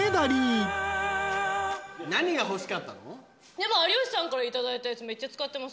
でも有吉さんから頂いたやつめっちゃ使ってます。